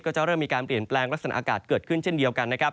ก็จะเริ่มมีการเปลี่ยนแปลงลักษณะอากาศเกิดขึ้นเช่นเดียวกันนะครับ